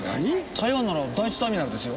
台湾なら第１ターミナルですよ。